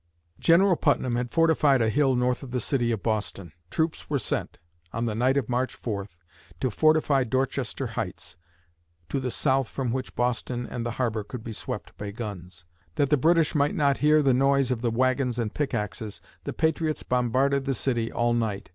General Putnam had fortified a hill north of the city of Boston. Troops were sent, on the night of March 4, to fortify Dorchester Heights, to the south from which Boston and the harbor could be swept by guns. That the British might not hear the noise of the wagons and pickaxes, the patriots bombarded the city all night.